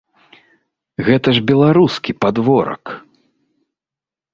Гэта ж беларускі падворак!